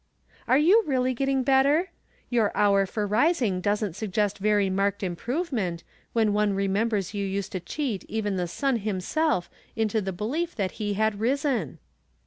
Are you really getting better ? Your hour for rising doesn't suggest very marked improvement, when one remembers you used to cheat even the sun himself into the belief that he had risen.